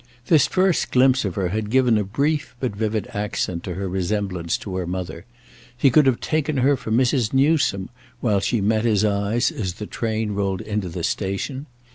This first glimpse of her had given a brief but vivid accent to her resemblance to her mother; he could have taken her for Mrs. Newsome while she met his eyes as the train rolled into the station.